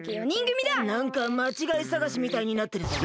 なんかまちがいさがしみたいになってるぞ。